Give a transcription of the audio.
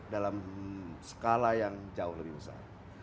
dalam skala yang jauh lebih besar